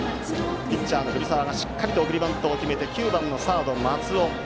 ピッチャーの古澤がしっかりと送りバントを決めてバッターは９番のサード、松尾。